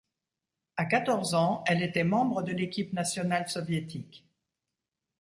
À quatorze ans, elle était membre de l'équipe national soviétique.